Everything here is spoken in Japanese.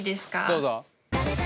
どうぞ。